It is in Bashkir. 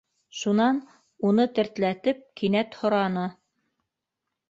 Шунан, уны тертләтеп, кинәт һораны: